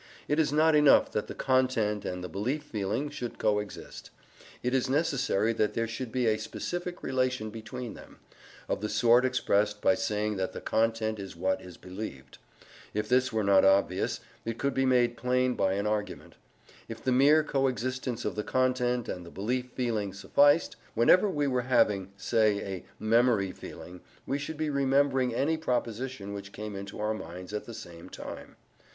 It is not enough that the content and the belief feeling should coexist: it is necessary that there should be a specific relation between them, of the sort expressed by saying that the content is what is believed. If this were not obvious, it could be made plain by an argument. If the mere co existence of the content and the belief feeling sufficed, whenever we were having (say) a memory feeling we should be remembering any proposition which came into our minds at the same time.